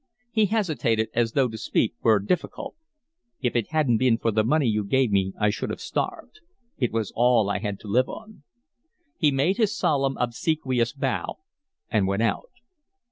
He hesitated, as though to speak were difficult. "If it hadn't been for the money you gave me I should have starved. It was all I had to live on." He made his solemn, obsequious bow, and went out.